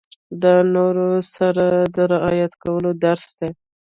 دا له نورو سره د رعايت کولو درس دی.